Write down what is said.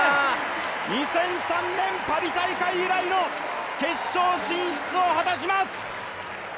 ２００３年パリ大会以来の決勝進出を果たします。